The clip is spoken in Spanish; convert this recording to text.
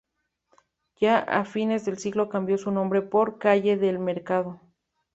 Ya a finales de siglo cambió su nombre por "Calle Del Mercado".